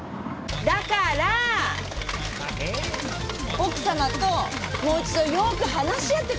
奥さまともう一度よく話し合ってください。